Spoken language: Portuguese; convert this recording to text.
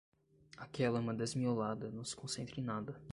Aquela é uma desmiolada, não se concentra em nada.